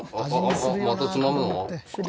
またつまむの？